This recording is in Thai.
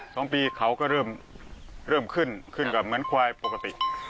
สองปีเขาก็เริ่มเริ่มขึ้นขึ้นก็เหมือนควายปกติ